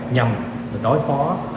nhằm đối phó